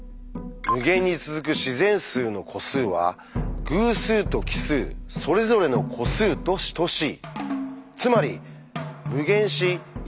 「無限に続く自然数の個数は偶数と奇数それぞれの個数と等しい」。